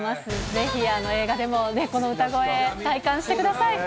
ぜひ映画でもこの歌声、体感してください。